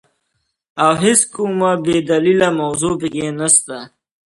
او هيڅ کومه بي دليله موضوع په کي نسته،